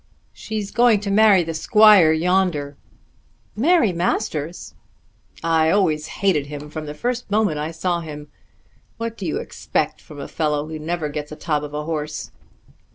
"She's going to marry the squire, yonder." "Mary Masters!" "I always hated him from the first moment I saw him. What do you expect from a fellow who never gets a top of a horse?"